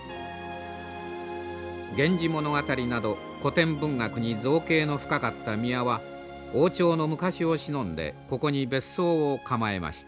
「源氏物語」など古典文学に造詣の深かった宮は王朝の昔をしのんでここに別荘を構えました。